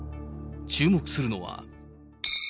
注目するのは。